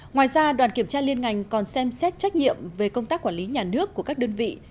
ngoài ra đoàn kiểm tra liên ngành còn xem xét trách nhiệm về công tác quản lý nhà nước của các đơn vị